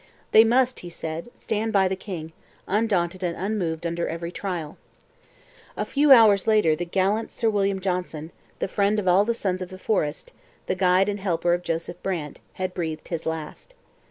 They must, he said, stand by the king, undaunted and unmoved under every trial. A few hours later the gallant Sir William Johnson, the friend of all the sons of the forest, the guide and helper of Joseph Brant, had breathed his last.